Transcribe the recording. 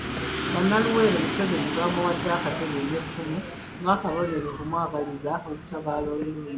Bannaluweero Museveni baamuwadde akatebe n'effumu ng'akabonero akamwagaliza olutabaalo olulungi.